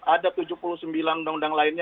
ada tujuh puluh sembilan undang undang lainnya